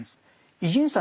伊集院さん